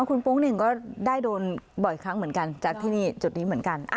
คุณโป๊งหนึ่งก็ได้โดนบ่อยครั้งเหมือนกันจากที่นี่จุดนี้เหมือนกัน